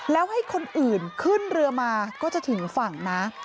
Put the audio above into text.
แล้วให้คนอื่นขึ้นเรือมาก็จะถึงฝั่งนะ